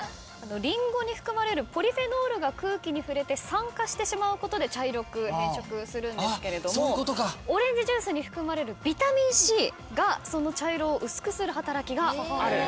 リンゴに含まれるポリフェノールが空気に触れて酸化してしまうことで茶色く変色するんですけれどもオレンジジュースに含まれるビタミンＣがその茶色を薄くする働きがある。